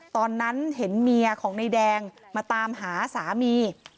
ตอนนั้นเห็นเมียของนายแดงมาตามหาสามี